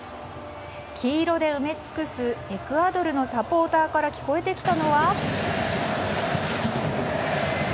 黄色で埋め尽くすエクアドルのサポーターから聞こえてきたのは。